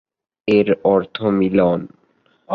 এর অর্থ মিলন।